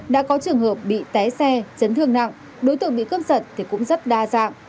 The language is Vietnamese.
đã có trường hợp bị té xe chấn thương nặng đối tượng bị cướp giật thì cũng rất đa dạng